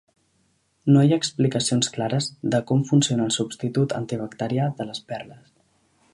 No hi ha explicacions clares de com funciona el substitut antibacterià de les perles.